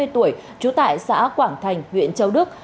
ba mươi tuổi trú tại xã quảng thành huyện châu đức